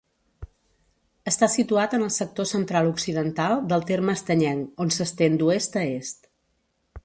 Està situat en el sector central-occidental del terme estanyenc, on s'estén d'oest a est.